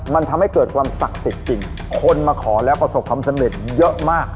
มันทำให้เกิดความศักดิ์สิทธิ์จริงคนมาขอแล้วประสบความสำเร็จเยอะมาก